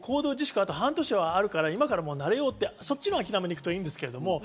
あと半年あるから、今から慣れようって、そっちの諦めに行くといいんですけど。